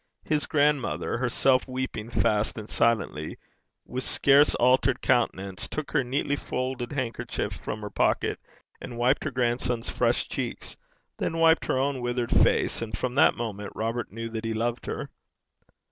His grandmother, herself weeping fast and silently, with scarce altered countenance, took her neatly folded handkerchief from her pocket, and wiped her grandson's fresh cheeks, then wiped her own withered face; and from that moment Robert knew that he loved her.